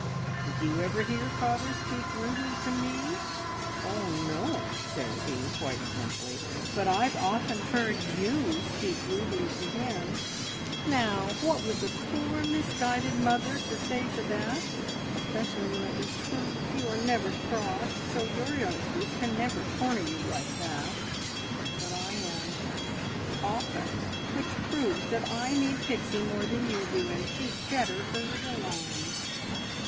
Did you ever hear father speak rudely to me?' `Oh, no,' says he, quite simply, `_but I've often heard you speak rudely to him_!' Now, what was a poor misguided mother to say to that? Especially when it was True! You are never cross, so your youngsters can never corner you like that; but I am often! Which proves that I need Pixie more than you do, and she'd better hurry along."